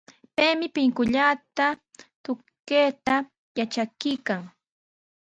Paymi pinkullata tukayta yatrakuykan.